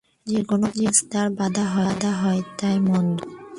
যে-কোন কাজ তার বাধা হয়, তাই মন্দ।